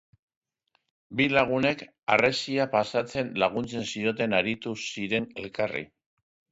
Bi lagunek harresia pasatzen laguntzen zioten aritu ziren elkarri.